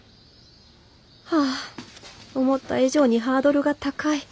はぁ思った以上にハードルが高い。